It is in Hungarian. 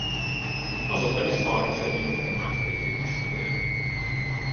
Azóta is Szarvas egyik önkormányzati képviselője.